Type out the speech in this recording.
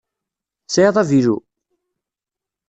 Tesɛiḍ avilu?